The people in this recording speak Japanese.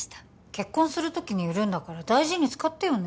結婚する時に売るんだから大事に使ってよね